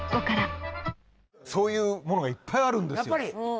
そういうものがいっぱいあるんですよ